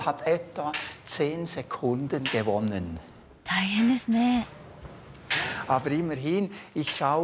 大変ですね。